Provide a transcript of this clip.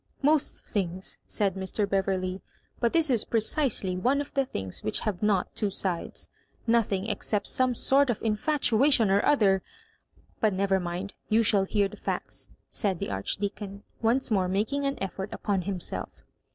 •* Most things," said Mr. Beverley, " but this is precisely one of the things which have not two sidea Nothing except some sort of infatuation or other — but never mind, you shall hear the facts," said the Archdeacon, once more making an effort upon himself!